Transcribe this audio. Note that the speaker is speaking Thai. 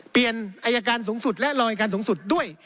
อายการสูงสุดและรองอายการสูงสุดด้วย